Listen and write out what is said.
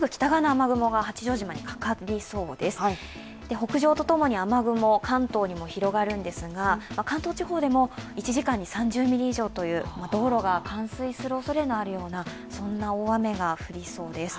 北上とともに雨雲、関東にも広がるんですが関東地方でも１時間に３０ミリ以上という道路が冠水するおそれのあるような、そんな大雨が降りそうです。